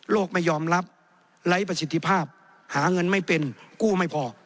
ไม่ยอมรับไร้ประสิทธิภาพหาเงินไม่เป็นกู้ไม่พอ